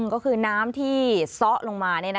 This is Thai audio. ก็คือน้ำที่ซ้อลงมา